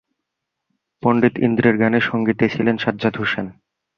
পণ্ডিত ইন্দ্রের গানে সংগীতে ছিলেন সাজ্জাদ হুসেন।